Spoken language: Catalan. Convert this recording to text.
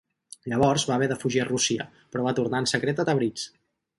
Llavors va haver de fugir a Rússia però va tornar en secret a Tabriz.